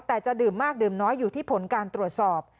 แต่จะดื่มมากดื่มน้อยอยู่ที่ผลการตรวจสอบ